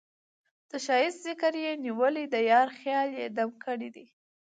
د ښــــــــایست ذکر یې نیولی د یار خیال یې دم ګړی دی